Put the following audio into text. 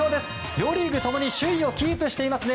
両リーグ共に首位をキープしてますね。